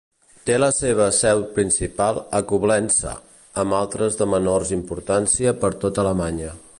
Té la seva seu principal a Coblença, amb altres de menor importància per tota Alemanya.